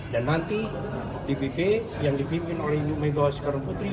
dan nanti dpp yang dibimbing oleh ibu membawa tjuskano putri